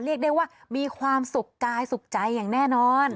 เรียกได้ว่ามีความสุขกายสุขใจอย่างแน่นอน